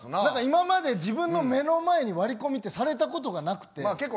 今まで自分の目の前に割り込みされたことなくて。